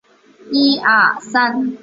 这里的数据不包含二手专辑的转售。